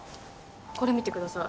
これ見てください。